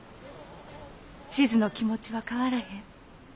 志津の気持ちは変わらへん。